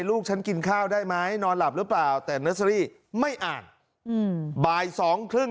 ลูกฉันกินข้าวได้ไหมนอนหลับหรือเปล่าแต่เนอร์เซอรี่ไม่อ่านบ่ายสองครึ่ง